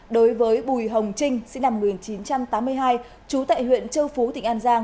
đối với bùi hồng trinh sinh năm một nghìn chín trăm tám mươi hai trú tại huyện châu phú tỉnh an giang